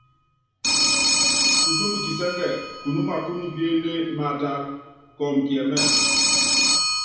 Kutúmu kisɛ́ndɛ kunúma kúnupíené maátálá, kɔɔmɔ kiɛmɛ́mɛ.